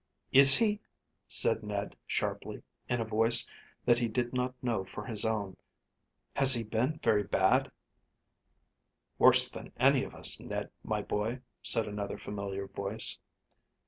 "Is he?" said Ned sharply, in a voice that he did not know for his own. "Has he been very bad?" "Worse than any of us, Ned, my boy," said another familiar voice.